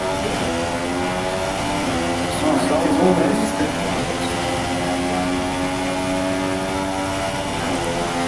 These results are best understood when applied to a particular example.